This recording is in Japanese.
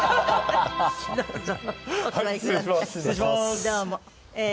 どうも。